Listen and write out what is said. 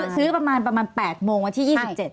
ซื้อประมาณ๘โมงวันที่๒๗